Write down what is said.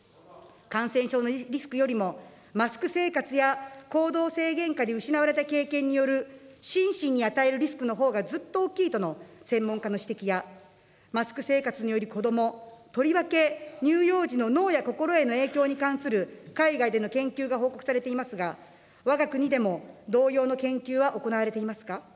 感染症のリスクよりも、マスク生活や行動制限下で失われた経験による、心身に与えるリスクのほうがずっと大きいとの専門家の指摘や、マスク生活による子ども、とりわけ乳幼児の脳や心への影響に関する海外での研究が報告されていますが、わが国でも同様の研究は行われていますか。